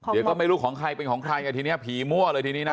เดี๋ยวก็ไม่รู้ของใครเป็นของใครไงทีนี้ผีมั่วเลยทีนี้นะ